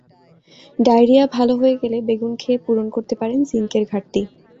Diarrhoea ভালো হয়ে গেলে বেগুন খেয়ে পূরণ করতে পারেন জিংকের ঘাটতি।